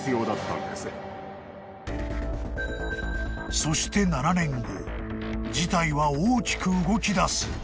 ［そして７年後事態は大きく動きだす］